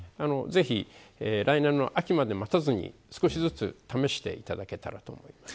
ぜひ、来年の秋まで待たずに少しずつ試していただけたらと思います。